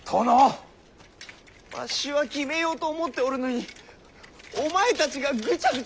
わしは決めようと思っておるのにお前たちがぐちゃぐちゃと申すから！